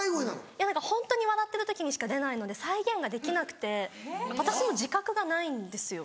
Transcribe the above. いや何かホントに笑ってる時にしか出ないので再現ができなくて私も自覚がないんですよ。